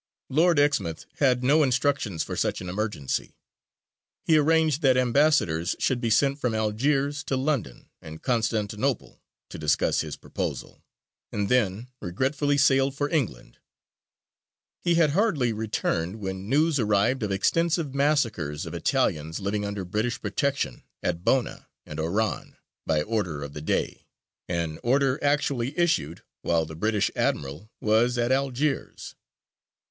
Lord Exmouth had no instructions for such an emergency; he arranged that ambassadors should be sent from Algiers to London and Constantinople to discuss his proposal; and then regretfully sailed for England. He had hardly returned when news arrived of extensive massacres of Italians living under British protection at Bona and Oran by order of the Dey an order actually issued while the British admiral was at Algiers.